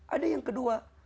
ada yang kedua